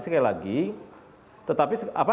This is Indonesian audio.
sekali lagi tetapi